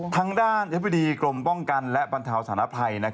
ทางด้านอธิบดีกรมป้องกันและบรรเทาสารภัย